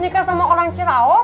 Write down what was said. nikah sama orang ciraos